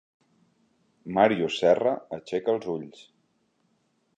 Màrius Serra aixeca els ulls.